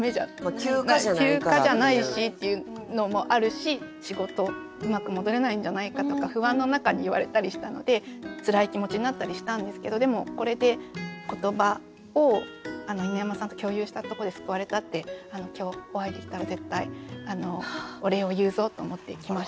休暇じゃないしっていうのもあるし仕事うまく戻れないんじゃないかとか不安の中に言われたりしたのでつらい気持ちになったりしたんですけどでもこれでって今日お会いできたら絶対お礼を言うぞと思って来ました。